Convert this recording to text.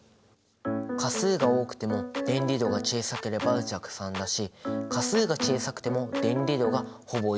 価数が多くても電離度が小さければ弱酸だし価数が小さくても電離度がほぼ１なら強酸。